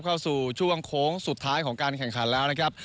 เข้าสู่ช่วงโค้งสุดท้ายของการแข่งขันแล้วนะครับ